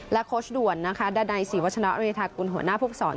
และโคชด่วนด้านในศรีวชนอรินิทราคุณหัวหน้าภูมิสอน